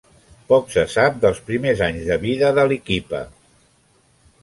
Poc se sap dels primers anys de vida d'Aliquippa.